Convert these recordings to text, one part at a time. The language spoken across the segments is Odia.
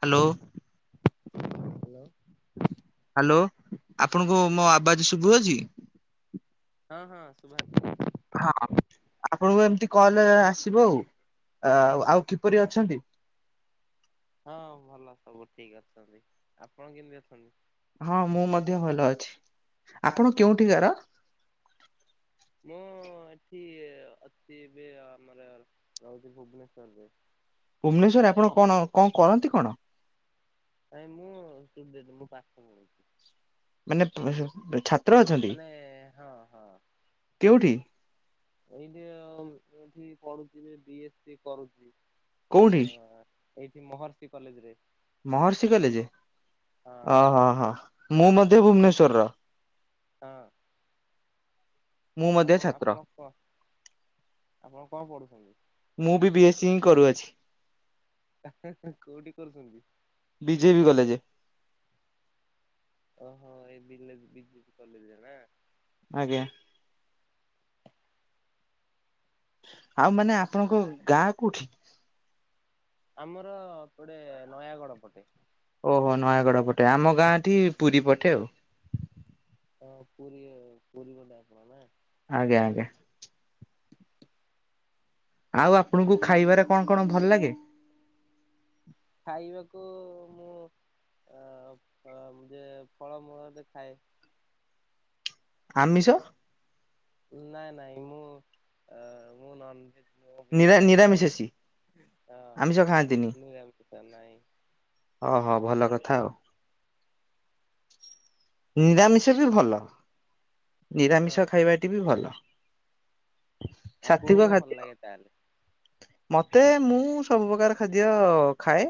ହ୍ୟାଲୋ। ହ୍ୟାଲୋ। ହ୍ୟାଲୋ ଆପଣଙ୍କୁ ମୋ ଆବାଜ ଶୁଭୁଅଛି? ହଁ ହଁ ଶୁଭା ହଁ ଆପଣଙ୍କୁ ଏମତି କଲରେ ଆସିବ ଆଉ। ଆ ଆଉ କିପରି ଅଛନ୍ତି? ହଁ ଭଲ ସବୁ ଠିକ ଅଛନ୍ତି। ଆପଣ କେମିତି ଅଛନ୍ତି? ହଁ ମୁଁ ମଧ୍ୟ ଭଲ ଅଛି। ଆପଣ କେଉଠିକାର? ମୁଁ ଏଠି ଅଛି ଏବେ ଆମର ରହୁଛି ଭୁବନେଶ୍ଵରରେ। ଭୁବନେଶ୍ଵରରେ ଆପଣ କଣ କଣ କରନ୍ତି କଣ? ନାଇଁ ମୁଁ ଷ୍ଟୁଡେଣ୍ଟ୍ ମୁଁ ପାଠ ପଢୁଛି। ମାନେ [unintelligible] ଛା ମାନେ ହଁ ହଁ। କେଉଠି ଏଇଠି ଆଉ ଏଠି ପଢୁଥିଲି ବି ଏସ ଡି କରୁଛି। କୋଉଠି? ଏଇଠି ମହର୍ଷି କଲେଜ ରେ। ମହର୍ଷି କଲେ ହଁ ଓହ ହ ହ ମୁଁ ମଧ୍ୟ ଭୁବନେଶ୍ଵରର। ହଁ। ମୁଁ ମଧ୍ୟ ଆପଣ ଛାତ୍ର ଆପଣ କଣ ଆପଣ କଣ ପଢୁଛନ୍ତି? ଚିଂ କରୁଅଛି। କୋଉଠି କରୁଛନ୍ତି? ବିଜେପି କଲେଜ ହଁ ଏ ବିଲେଜ ବିଜେପି କଲେଜରେ ନା। ଆଜ୍ଞା। ଆଉ ମାନେ ଆପଣଙ୍କ ଗାଁ କୋଉଠି? ଆମର ଗଟେ ନୟାଗଡ ପଟେ। ଓହୋ ନୟାଗଡ଼ ପଟେ, ଆମ ଗାଁଟି ପୁରୀ ପଟେ ଆଉ। ହଁ ପୁରୀ ପୁରୀ ଗଣ୍ଡ ଆସିବ ନା? [unintelligible] ଆଜ୍ଞା ଆଜ୍ଞା। ଆଉ ଆପଣଙ୍କୁ ଖାଇବାରେ କଣ କଣ ଭଲ ଲାଗେ? ଖାଇବାକୁ ମୁଁ ଅ ଅ ଯେ ଫଳମୂଳ ଯେ ଖାଏ। ଆମିଷ? ନାଇଁ ନାଇଁ ମୁଁ ଅ, ମୁଁ ନନଭେଜ୍ ମୁଁ ନିରା ନିରାମିଷେଶୀ ଭେଜିଟେରିୟନ ହଁ ଆମିଷ [unintelligible] ନାହିଁ। ହଁ ହଁ ଭଲ କ- ଥାଉ, ନିରାମିଷ ବି ଭଲ। ହଁ ନିରାମିଷ ଖାଇବାଟି ବି ଭଲ। ସାତ୍ଵିକ ଆପୁଣଙ୍କ କଣ ଖାଦ୍ୟ ଭଲ ଲାଗେ ତାହେଲେ? ମତେ, ମୁଁ ସବୁ ପ୍ରକାର ଖାଦ୍ୟ ଖାଏ।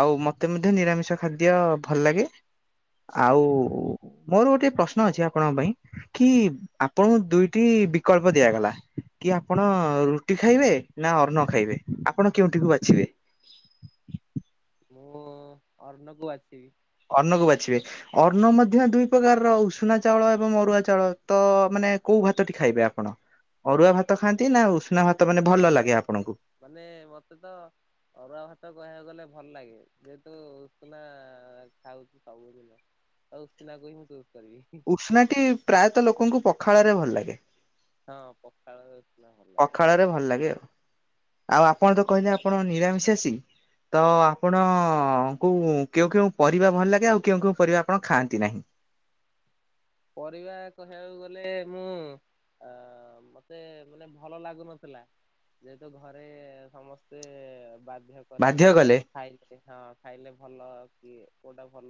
ଆଉ ମତେ ମଧ୍ୟ ନିରାମିଷ ଖାଦ୍ୟ ଭଲ ଲାଗେ ଆଉ ମୋର ଗୋଟେ ପ୍ରଶ୍ନ ଅଛି ଆପଣଙ୍କ ପାଇଁ? କି ଆପଣଙ୍କୁ ଦୁଇଟି ବିକଳ୍ପ ଦିଆଗଲା, କି -ଆପଣ ରୁଟି ଖାଇବେ ନା ଅର୍ଣ୍ଣ ଖାଇବେ, ଆପଣ କେଉଁଠିକୁ ବାଛିବେ? ମୁଁ ଅର୍ଣ୍ଣ କୁ ବାଛିବି। ଅର୍ଣ୍ଣ କୁ ବାଛିବେ, ଅନ୍ନ ମଧ୍ୟ ଦୁଇ ପ୍ରକାରର- ଉଷୁନା ଚାଉଳ ଏବଂ ଅରୁଆ ଚାଉଳ ତ, ମାନେ ମାନେ କୋଉ ଭାତଟି ଖାଇବେ ଆପଣ? ଅରୁଆ ଭାତ ଖାଆନ୍ତି ନା ଉଷୁନା ଭାତ ମାନେ ଭଲ ଲାଗେ ଆପଣଙ୍କୁ? ମାନେ ମତେ ତ ଅରୁଆ ଭାତ କହିବାକୁ ଗଲେ ଭଲ ଲାଗେ, ଯେହେତୁ ଉଷୁନା ଖାଉଛୁ ସବୁ ଦିନ ତ ଉଷୁନାକୁ ହିଁ ମୁଁ ଚୂ ଉଷୁନା ଟି ପ୍ରାୟତଃ ଲୋକଙ୍କୁ ପଖାଳରେ ଭଲ ଲାଗେ। ହଁ ପଖାଳ ଉଷୁନା ଭଲ ଲାଗେ। ପଖାଳ ରେ ଭଲ ଲାଗେ ଆଉ, ଆଉ ଆପଣ ତ କହିଲେ ଆପଣ ନିରାମିଷାସି। ତ ଆପଣଙ୍କୁ କେଉଁ କେଉଁ ପରିବା ଭଲ ଲାଗେ ଆଉ କେଉଁ କେଉଁ ପରିବା ଆପଣ ଖାଆନ୍ତି ନାହିଁ? [inaudible] ପରିବା କହିବାକୁ ଗଲେ ମୁଁ ଅ ମତେ ମାନେ ଭଲ ଲାଗୁନଥିଲା। ଯେହେତୁ ଘରେ ସମସ୍ତେ ବା ବାଧ୍ୟ କରାଇଲେ କଲେ କହିଲେ ଖାଇଲେ ହଁ ଖାଇଲେ ଭଲ କିଏ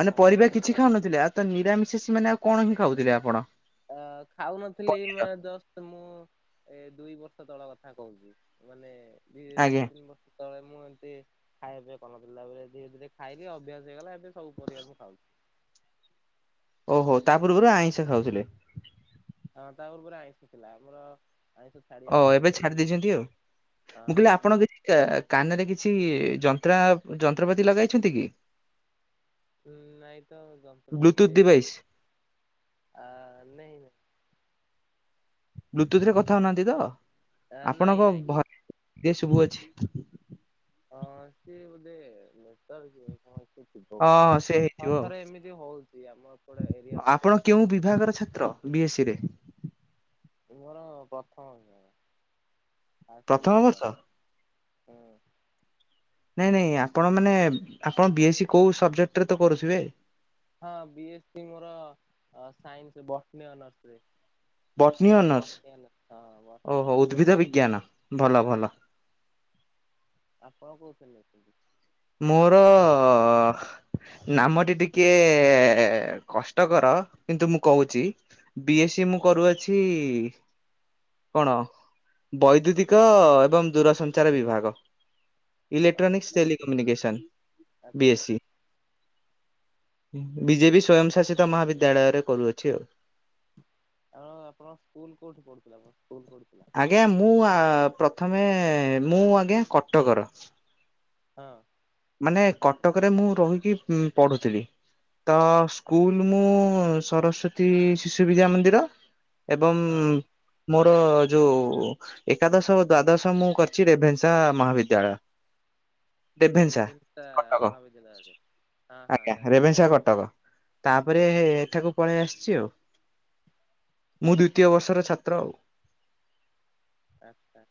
ମାନେ ପରିବା କିଛି ଖାଉନଥିଲେ, ଆଉ ତ ନିରାମିଷାସି ମାନେ ଆଉ କଣ ହିଁ ଖାଉଥିଲେ ଆପଣ? ଅ ଖାଉନଥିଲି ପନିର। ମେ ଜ ମୁଁ ଏ ଦୁଇ ବର୍ଷ ତଳ କଥା କହୁଛି, ମାନେ ଦି ଦି ଆଜ୍ଞା ତିନି ବର୍ଷ ତଳେ ମୁଁ ଏମିତି ଖାଇବା ପିଇବା କରୁ ନଥିଲି, ଧୀରେ ଧୀରେ ଖାଇଲି ଅଭ୍ୟାସ ହେଇଗଲା। ସବୁ ପରିବା ମୁଁ ଖାଉଛି। ଓହୋ, ତା ପୂର୍ବରୁ ଆଇଁଷ ଖାଉଥିଲେ। ହଁ, ତା ପୂର୍ବରେ ଆଇଁସ ଥିଲା ଆମର ଆଇଁଷ ଓ ଛାଡିବାର ଏବେ ଛାଡି ହିଁ ଦେଇଛନ୍ତି ଆଉ, ହଁ ମୁଁ କହିଲି ହଁ। ଆପଣ କିଛି କାନରେ କିଛି? କିଛି ଯନ୍ତ୍ରା ଯନ୍ତ୍ରପାତି ଲଗାଇଛନ୍ତି କି? ହୁଁ ନାଇଁ ତ, ବ୍ଲୁଟୁଥ୍ ଜନ୍ତ୍ରପାତି ଡିଭାଇସ୍ ଆ ନାଇ ବ୍ଲୁଟୁଥ ରେ କଥା ହଉନାହାନ୍ତି ତ, ନାଇଁ ନାଇଁ ଆପଣଙ୍କ ନାଇଁ ଏ ସବୁ ଅଛି। ହଁ, ସିଏ ବୋଧେ ନ କଣ? ହଁ ସେ ଏ ହେଇଥିବ ଥରେ ଆଉ। ଥରେ ଏମିତି ହଉଛି ଆମ ଏପଟେ ଏରିଆ ତ ଦେ ଆପଣ କେଉଁ ବିଭାଗର ଛାତ୍ର ବି ଏ ସି ରେ। ମୋର ପ୍ରଥମ ବିଭାଗ ଫାଷ୍ଟ ପ୍ରଥମ ବର୍ଷ? ସେମିଷ୍ଟାର। ହୁଁ। ନାଇଁ ନାଇଁ ଆପଣ ମାନେ ଆପଣ ବି ଏ ସି କୋଉ ସବଜେକ୍ଟରେ ତ କରୁଥିବେ। ହଁ ବି ଏ ସି ମୋର ଅ ସାଇନ୍ସ ବଟନି ଅନର୍ସରେ। ବଟନୀ ଅନର୍ସ ବଟନୀ ଓହୋ ଅନର୍ସ ଉଦ୍ଭିଦ ବିଜ୍ଞାନ ଭଲ। ଭଲ। ଆପଣ କୋଉଥିଲେଛନ୍ତି। ମୋର। ନାମଟି ଟିକେ କଷ୍ଟକର କିନ୍ତୁ ମୁଁ କହୁଛି। ବି ଏ ସି ମୁଁ କରୁଅଛି। କଣ ବୈଦ୍ୟୁତିକ ଏବଂ ଦୂରସଞ୍ଚାର ବିଭାଗ। ଓ ଇଲେକ୍ଟ୍ରାନିକ୍ସ ଆଚ୍ଛା ଟେଲିିକମ୍ୟୁନିକେସନ୍ ବି ଆଚ୍ଛା ଏ ସି। ବିଜେପି ସ୍ଵୟଂ ଶାସିତ ମହାବିଦ୍ୟାଳୟରେ କରୁଅଛି ଆଉ। ଆଉ ଆପଣଙ୍କ ସ୍କୁଲ କୋଉଠି ପଢୁଥିଲା ଆପଣ। ଆଜ୍ଞା ମୁଁ ଆ ପ୍ରଥମେ ମୁଁ ଆଜ୍ଞା କଟକର। ହଁ। ମାନେ କଟକରେ ମୁଁ ରହିକି ପଢୁଥିଲି। ତ ସ୍କୁଲ ମୁଁ ସରସ୍ଵତୀ ଶିଶୁ ବିଦ୍ୟା ମନ୍ଦିର। ଏବଂ। ହଁ ମୋର ଯୋଉ ଏକାଦଶ ଦ୍ଵାଦଶ ମୁଁ କରିଛି ରେଭେନ୍ସା ମହାବିଦ୍ୟାଳୟ। ରେଭେନ୍ସା। କଟକ ମହାବିଦ୍ୟାଳୟ ରେ ହଁ ହଁ ଆଜ୍ଞା ଜାଣି ରେଭେନ୍ସା କଟକ। ତାପରେ ଏଠାକୁ ପଳେଇ ଆସିଛି ଆଉ। ମୁଁ ଦ୍ୱିତୀୟ ବର୍ଷର ଛାତ୍ର ଆଉ। ଆଚ୍ଛା।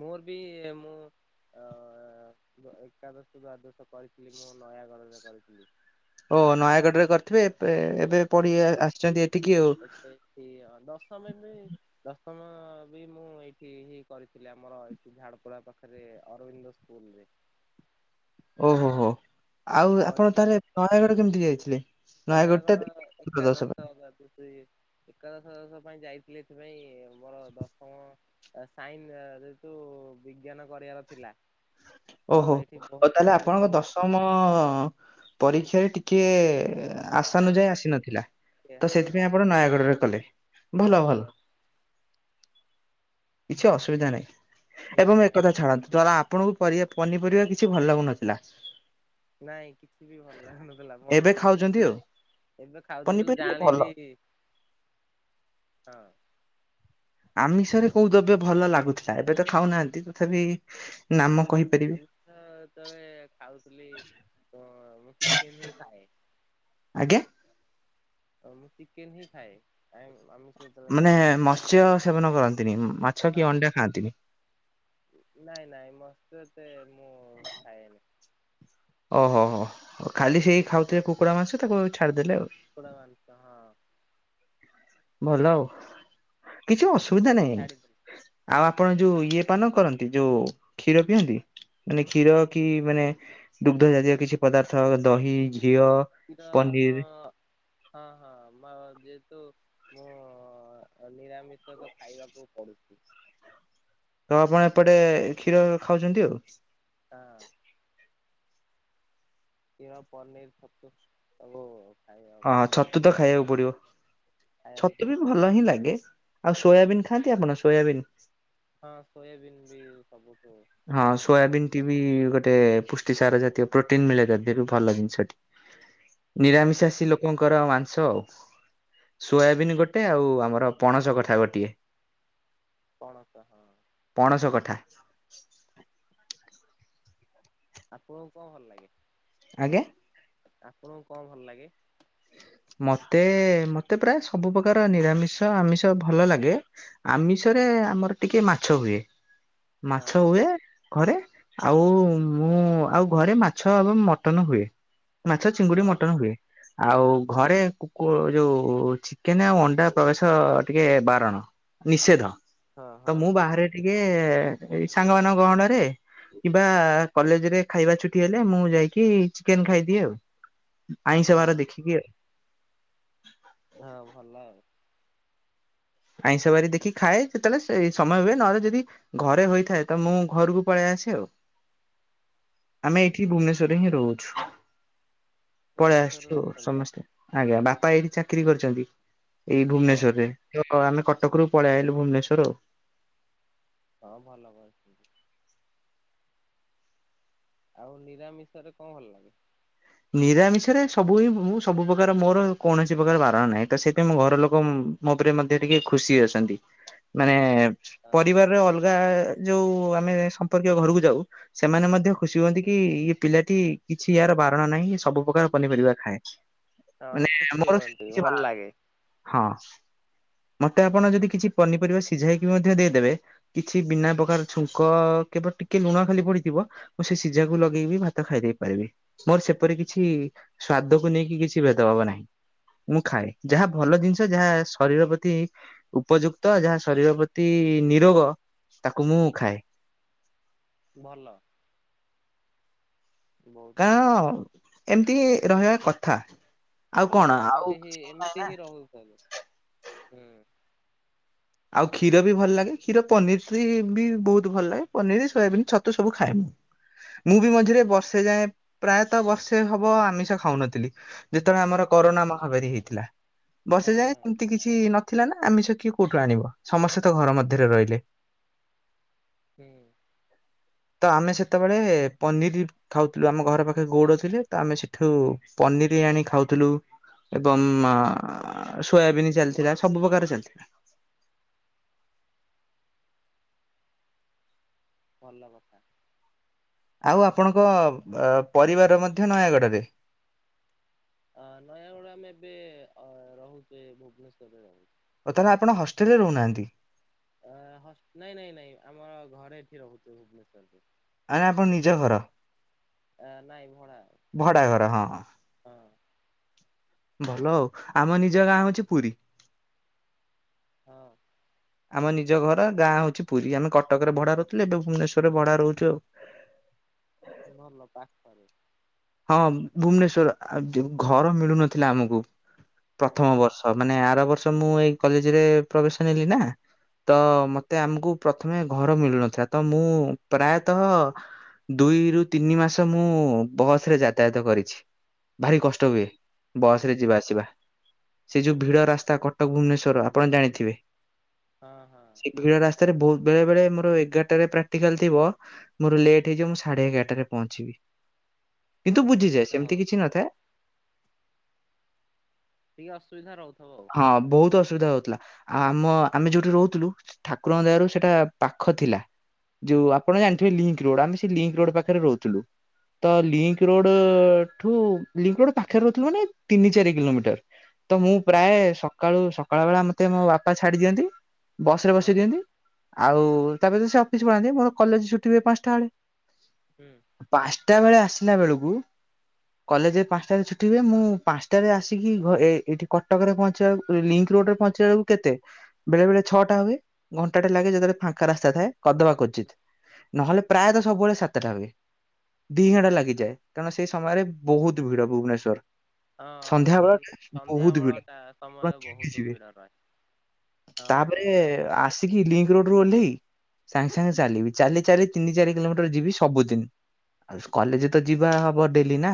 ମୋର ବି ମୁଁ ଅ ଏକାଦଶ ଦ୍ୱାଦଶ। କରିଥିଲି ମୁଁ ନୟାଗଡ ରେ କରିଥିଲି। ଓ ନୟାଗଡ଼ ରେ କରିଥିବେ ଏପେ ଏବେ। ପଢି ହଁ ଆସିଛନ୍ତି ଏଠିକି ଆଉ ଏ ପେଥୀ ଦଶମ ବି ଦସମ। ବି ମୁଁ ଏଇଠି ହି କରିଥିଲି ଆମର ଏଠି ଝାଡପଡା ପାଖରେ ଅରବିନ୍ଦ ସ୍କୁଲରେ। ଓହୋ ହୋ ହୋ ଆଉ ଆପଣ କରିଥିଲି ତାହେଲେ ନୟାଗଡ କେମିତି ଯାଇଥିଲେ? ନୟାଗଡ଼ ଦଶ ପାଇଁ ଏକାଦଶ ଦ୍ବାଦଶ ଇଏ ଏକାଦଶ ଦ୍ବାଦଶ। ପାଇଁ ଯାଇଥିଲେ ଏଥିପାଇଁ ମୋର ଦଶମ ସାଇନ୍ ଯେହେତୁ ବିଜ୍ଞାନ କ କରିଆର ଥିଲା। ତ ଓହୋ ଏଇଠି ବହୁ ଓ ତାହେଲେ ଏଠି ଆପଣଙ୍କ ବହୁତ ଦଶମ ପରୀକ୍ଷାରେ ଟିକେ। ହଁ ହଁ ଆଶାନୁଯାୟୀ ଆସିନଥିଲା ସେ ତ ହଁ ସେଥିପାଇଁ ଆପଣ ନୟାଗଡ ରେ କଲେ ଭଲ ଭଲ। ନୟାଗଡ଼ କିଛି ଅସୁବିଧା ନାହିଁ ଏବଂ ନାଇଁ ନାଇଁ ଏକଥା ଛାଡ଼ନ୍ତୁ ତାଲା ଆପଣଙ୍କୁ। ପରିବା, ପନିପରିବା କିଛି ଭଲ ଲାଗୁନଥିଲା। ନାଇଁ କିଛି ବି ଭଲ ଲାଗୁନଥିଲା ବ ଏବେ ଖାଉଛନ୍ତି ତେଲେ। ଆଉ ଏବେ ଖାଉଛିୁ ମୁ ଯେତେ ବେଳେ ପନିପରିବା ଭଲ ଜାଣିଲି। ହଁ। ଆମିଷରେ କୋଉ ଦ୍ରବ୍ୟ ଭଲ ଲାଗୁଥିଲା ଏବେ ତ ଖାଉନାହାନ୍ତି ତଥାପି ନାମ। କହିପାରିବେ ଆମିଷ ସେତେବେଳେ ଖାଉଥିଲି ତ ମୁଁ ଚିକେନ ହିଁ ଖାଏ। ଆଜ୍ଞା। ମୁଁ ଚିକେନ ହିଁ ଖାଏ। ଆମିଷ ଯେତେବେଳେ ମାନେ ଖାଏ ମତ୍ସ୍ୟ ସେବନ କରନ୍ତିନି ମାଛ କି ହଁ ଅଣ୍ଡା ଖାଆନ୍ତିନି। ନାଇଁ ନାଇଁ ମତ୍ସ୍ୟ ଏତେ। ମୁଁ ଖାଏନି ଓହୋ ହୋ ହୋ ଖାଲି ସେଇ ଖାଉଥିଲେ କୁକୁଡ଼ା ମାଂସ ତାକୁ ଛାଡିଦେଲେ ଆଉ। କପଡ଼ା ବାନ୍ଧିଛ, ହଁ। ଭଲ ଆଉ, କିଛି ଅସୁବିଧା ନାଇଁ। ଛାଡିଦେଲି ଆଉ ଆପଣ ଯୋଉ ଇଏ ପାନ କରନ୍ତି? ଯୋଉ କ୍ଷୀର ପିଅନ୍ତି? ମାନେ କ୍ଷୀର, କି ମାନେ ଦୁଗ୍ଧ ଜାତୀୟ କିଛି ପଦାର୍ଥ, ଦହି ଘିଅ କ୍ଷୀର, ପନିର ହଁ। ହଁ, ହଁ ଯେହେ ତୁ ମୁଁ, ନିରାମିଷ ତ ଖାଇବାକୁ ପଡୁଛି। ତ ଆପଣ ଏପଟେ, କ୍ଷୀର ଖାଉଛନ୍ତି ଆଉ। ହଁ। ଖୀର, ପନିର, ଛତୁ ସବୁ। ହଁ ଖାଇବାକୁ ଛତୁ ପଡୁଛି ତ ଖାଇବାକୁ ପଡିବ। ଖାଇବାକୁ ଛତୁ ବି ପଡୁଛି। ଭଲ ହିଁ ଲାଗେ। ଆଉ ସୋୟାବିନ୍ ଖାଆନ୍ତି, ଆପଣ? ସୋୟାବିନ୍? ହଁ ସୋୟାବିନ ବି ସବୁଠୁ, ହଁ ଉତ୍ତମ ଦିନିଷ। କି ସାର ଜାତୀୟ ପ୍ରୋଟିନ୍ ମିଳେ ତା ଦିହରୁ, ଭଲ ଜିନିଷ ଟି। ହଁ ନିରାମିଷାସି ଙ୍କର, ମାଂସ ଆଉ। ସୋୟାବିିନ ଗୋଟେ, ଆଉ ଆମର ପଣସ କଠା ଗୋଟିଏ। ପଣସ, ହଁ। ପଣସ [unintelligible] ଆପଣଙ୍କୁ କଣ, ଭଲ ଲାଗେ? ଆଜ୍ଞା। ଆପଣଙ୍କୁ କଣ ଭଲ ଲାଗେ? ମତେ, ମତେ ପ୍ରାୟ ସବୁ ପ୍ରକାର ନିରାମିଷ, ଆମିଷ ଭଲ ଲାଗେ। ଆମିଷରେ ଏ ଆମର ଟିକେ ମାଛ ହୁଏ। ହଁ ମାଛ ହୁଏ। ଘରେ ଆଉ, ମୁଁ, ଆଉ ଘରେ ମାଛ ଏବଂ ମଟନ ହୁଏ। ମାଛ, ଚିଙ୍ଗୁଡି ମଟନ ହଁ ହୁଏ। ଆଉ ଫେ, କୁ କୁ ଯୋଉ, ଚିକେନ ଆଉ ଅଣ୍ଡା ପ୍ରବେଶ ଟିକେ ବାରଣ, ନିଷେଧ। ତ ହଁ ମୁଁ ହଁ ବାହାରେ ଟିକେ, ଏଇ ସାଙ୍ଗମାନଙ୍କ ଗହଣରେ କିମ୍ବା କଲେଜରେ ଖାଇବା ଛୁଟି ହେଲେ, ମୁଁ ଯାଇକି ଚିକେନ ଖାଇଦିଏ ଆଉ ଆଇଁଷ ବାର ହଁ। ଦେଖି କିି ଆଉ। ହଁ ଭଲ ଆଉ। ଆଇଁଷ ବାରି ଦେଖି ଖାଏ। ସେତେବେଳେ ସେଇ ସମୟ ହୁଏ, ନହେଲେ ଯଦି ଘରେ ହୋଇଥାଏ ତ ମୁଁ ଘରକୁ ପଳେଇଆ ଆସେ ଆଉ। ଆମେ ହୁଁ ଏଇଠି ଭୁବନେଶ୍ୱରରେ ହିଁ ରହୁଛୁ। ପଳେଇ ଭୁବନେଶ୍ୱରରେ ଆସୁଛୁ ରହୁଛନ୍ତି ଆପ ସମସ୍ତେ। ଆଜ୍ଞା, ବାପା ଏଇଠି ଚାକିରି କରିଛନ୍ତି। ଏଇ ହଁ ଭୁବନେଶ୍ଵରରେ, ତ ଆମେ କଟକରୁୁ ପଳେଇ ଆଇଲୁ ଭୁବନେଶ୍ଵର ଆଉ। ହଁ ଭଲ ଭାଇ। ଆଉ ନିରାମିଷରେ, କଣ ଭଲ ଲାଗେ? ନିରାମିଷରେ ସବୁ ହିଁ, ମୁଁ ସବୁ ପ୍ରକାର ମୋର କୌଣସି ପ୍ରକାର ବାରଣ ନାହିଁ, ତ ସେଇଥିାଇଁ ମୋ ଘର ଲୋକ ମୋ ଉପରେ ମଧ୍ୟ ଟିକେ ଖୁସି ଅଛନ୍ତି। ମାନେ ହଁ ପରିବାରରେ ଅଲ ଗା, ଯୋଉ ଆମେ ସମ୍ପର୍କୀୟ ଘରକୁ ଯାଉ, ସେମାନେ ମଧ୍ୟ ଖୁସି ହୁଅନ୍ତି କି ଏ ପିଲାଟି କିଛି ୟାର, ବାରଣ ନାହିଁ। ଇଏ ସବୁ ପ୍ରକାର ପନିପରିବା ଖାଏ। ହଁ ହଁ ମାନେ ଖୁସି ମୋର ସେମିତି ହୁଅନ୍ତି କିଛି ଭଲ ବାରଣ ନାହିଁ। ଲାଗେ ହଁ। ମତେ ଆପଣ ଯଦି, କିଛି ପନିପରିବା ସିଝାଇକି ମଧ୍ୟ ଦେଇଦେବେ, କିଛି ବିନା ପ୍ରକାର ଛୁଙ୍କ କେବଳ ଟିକେ ଲୁଣ ଖାଲି ପଡିଥିବ, ମୁଁ ସେ ସିଝାକୁ ଲଗେଇକି ଭାତ ଖାଇଦେଇ ପାରିବି। ମୋର ସେପରି କିଛି, ସ୍ଵାଦକୁ ନେଇକି କିଛି ଭେଦଭବ ନାହିଁ। ମୁଁ ଖାଏ। ଯାହା ଭଲ ଜିନିଷ, ଯାହା ଶରୀର ପ୍ରତି ଉପଯୁକ୍ତ, ଯାହା ଶରୀର ପ୍ରତି ନିରୋଗ, ତାକୁ ମୁଁ ଖାଏ। ଭଲ। ବହୁତ କା ଭଲ। ଅଁ ଏମିତି ରହିବା କଥା। ଆଉ କଣ ହଁ। ଆଉ ଏମିତି ହିଁ, କିଛି ନାହିଁ ନା ଏମିତି ହିଁ ରହୁଛନ୍ତି। ହୁଁ। ଆଉ କ୍ଷୀର ବି ଭଲ ଲାଗେ। କ୍ଷୀର ପନିର ବି ବହୁତ ଭଲ ଲାଗେ ପନିର, ସୋୟାବିନ, ଛତୁ ସବୁ ଖାଏ ମୁଁ। ମୁଁ ବି ମଝିରେ ବର୍ଷେ ଯାଏ, ପ୍ରାୟତଃ ବର୍ଷେ ହବ, ଆମିଷ ଖାଉନଥିଲି। ଯେତେବେଳେ ଆମର ହଁ କରୋନା ମହାମାରୀ ହେଇଥିଲା ବର୍ଷେ ହଁ ଯାଏଁ ହଁ ଏମତି କିଛି ନଥିଲା ନା ଆମିଷ କିଏ କୋଉ ଆଣିବ ସମସ୍ତେ ତ ଘର ମଧ୍ୟରେ ରହିଲେ। ହୁଁ। ତ ଆମେ ସେତବେଳେ ପନିରି ଖାଉଥୁଲୁ ଆମ ଘର ପାଖରେ ଗୋଉଡ଼ ଥିଲେ ତ ଆମେ ସେଠୁ ପନ୍ ନିରି ଆଣି ଖାଉଥୁଲୁ। ଏବଂ ଆ ସୋୟାବିନି ଚାଲିଥିଲା ସବୁ ପ୍ରକାର ଚାଲିଥିଲା। ଭଲ କଥା। ଓ ଆପଣଙ୍କ ଅ ପରିବାର ମଧ୍ୟ ନୟାଗଡରେ? ଅ ନୟାଗଡ ଆମେ ଏବେ ଅ ରହୁଚେ ଭୁବନେଶ୍ୱରରେ ରହୁ ଓ ତାହେଲେ ଆପଣ ହଷ୍ଟେଲରେ ରହୁନାହାନ୍ତି? ଅ ହସ୍ ନାଇଁ ନାଇଁ ନାଇଁ ଆମର ଘରେ ଏଠି ରହୁଚୁ ଭୁବନେଶ୍ବରରେ। ଆଜ୍ଞା ଆପଣ ନିଜ ଘର ଆ ନାଇଁ ଭଡ଼ା ଭଡା ଘର ହଁ ହଁ। ଭଲ ଆଉ ଆମ ନିଜ ଗାଁ ହୋଉଚି ପୁରୀ। ହଁ। ଆମ ନିଜ ଘର ଗାଁ ହୋଉଚି ପୁରୀ, ଆମେ କଟକରେ ଭଡ଼ାରେ ରହୁଥୁଲୁ ଏବେ ଭୁବନେଶ୍ୱରରେ ଭଡାରେ ରହୁଚୁ ଆଉ। ଭଲ ପାଖରେ। ହଁ ଭୁବନେଶ୍ଵର ଆ ଯେ ଘର ମିଳୁନଥିଲା ଆମକୁ। ପ୍ରଥମ ହୁଁ ବର୍ଷ ମାନେ ଆର ବର୍ଷ ମୁଁ ଏଇ କଲେଜେରେ ପ୍ରବେଶ ନେଲି ନା ତ ମତେ ଆମକୁ ପ୍ରଥମେ ଘର ମିଳୁନଥାଏ ତ ମୁଁ ପ୍ରାୟତଃ ଦୁ ଦୁଇରୁ ତିନି ମାସ ମୁଁ ବସରେ ଯାତାୟାତ କରିଛି, ଭାରି କଷ୍ଟ ହୁଏ। ବସରେ ହୁଁ ଯିବା ଆସିବା ସେ ଯୋଉ ହୁଁ ଭିଡ ରାସ୍ତା କଟକ ଭୁବନେଶ୍ୱର ଆପଣ ଜାଣିଥିବେ। ହଁ ହଁ ସେ ଭିଡ଼ ରାସ୍ତାରେ ଭୋଉ ବେଳେବେଳେ ମୋର ଏଗାରଟାରେ ପ୍ରାକ୍ଟିକାଲ୍ ଥିବ ମୋର ଲେଟ୍ ହେଇଯିବ ମୁଁ ସାଢେ ଏଗାରଟାରେ ପହଞ୍ଚିବି। ହଁ କିନ୍ତୁ ବୁଝିଯାଏ ଅସୁବିଧା ସେମତି କିଛି ହଉଥବ ନଥାଏ। ଟିକ ଅସୁବିଧା ରହୁଥା ହଁ ବୋହୁତ ଅସୁବିଧା ହୋଉଥୁଲା ଆଉ ଆମ ଆମେ ଯୋଉଠି ରହୁଥୁଲୁ ଠାକୁରଙ୍କ ଦୟାରୁ ସେଟା ପାଖ ଖ ଥିଲା ଯୋଉ ଆପଣ ଜାଣିଥିବେ ଲିଙ୍କ ରୋଡ ଆମେ ସେଇ ଲିଙ୍କ ରୋଡ ପାଖରେ ରହୁଥୁଲୁ। ତ ଲିଙ୍କ ରୋଡଠୁ ଲିଙ୍କ ରୋଡ ପାଖରେ ରହୁଥୁଲ ମାନେ ତିନି ଚାରି କିଲୋମିଟର। ତ ମୁଁ ପ୍ରାୟେ ସକାଳୁ ସକାଳ ବେଳା ମତେ ମୋ ବାପା ଛାଡିଦିଅନ୍ତି ବସରେ ହଁ ବସେଇ ଦିଅନ୍ତି। ଆଉ ତାପରେ ତ ସିଏ ଅଫିସ ପଳାନ୍ତି ମୋର କଲେଜ ଛୁଟିିହୁଏ ପାଞ୍ଚଟା ବେଳେ। ହୁଁ ପାଞ୍ଚଟା ବେଳେ ଆସି ଆସିଲା ବେଳକୁ କଲେଜେ ପାଞ୍ଚଟାରେ ଛୁଟି ହୁଏ ମୁଁ ପାଞ୍ଚଟାରେ ଆସିକି ଘ ଏ ଏଇଠି କଟକରେ ପହଞ୍ଚେଆକୁ ଇ ଲିଙ୍କ୍ ରୋଡରେ ପହଞ୍ଚିଲା ବେଳକୁ କେତେ ବେଳେ ବେଳେ ଛଅଟା ହୁଏ ଘଣ୍ଟାଟେ ଲାଗେ ଯେତେବେଳେ ଫାଙ୍କା ରାସ୍ତା ଥାଏ କଦବା କୋଚିତ ନହେଲେ ପ୍ରାୟତ ସବୁବେଳେ ସାତଟା ହୁଏ। ଦି ଘଣ୍ଟା ଲାଗିଯାଏ କାରଣ ସେଇ ସମୟରେ ବୋହୁତ ଭିଡ ଭୁବନେଶ୍ଵର। ହଁ ସନ୍ଧ୍ୟା ବେଳଟା ବହୁତ ଭିଡ ସ-ସନ୍ଧ୍ୟାବେଳଟା ଆପଣ ସମୟ ଚିଡି ବୋହୁତୁ ଯିବେ ଭିଡ ରହେ। ହଁ ତାପରେ ସନ୍ଧ୍ୟା ବେଳ ଆସିକି ଲିଙ୍କ୍ ରୋଡରୁ ଓହ୍ଲେଇ ସାଙ୍ଗେ ସାଙ୍ଗେ ଚାଲିବି ଚାଲି ଚାଲି ତିନି ଚାରି କିଲୋମିଟର ଯିବି ସବୁଦିନ। ଆଉ ସ୍ କଲେଜେ ତ ଯିବା ହବ ଡେଲି ନା।